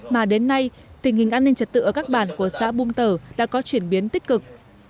mà đến nay tình hình an ninh trật tự ở các bản của xã bùm tở đã có chuyển biến tích cực